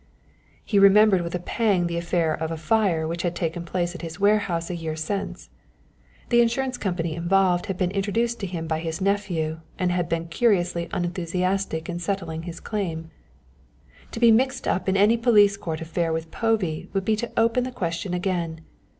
He remembered with a pang the affair of a fire which had taken place at his warehouse a year since. The insurance company involved had been introduced to him by his nephew, and had been curiously unenthusiastic in settling his claim. To be mixed up in any police court affair with Povey would be to open the question again.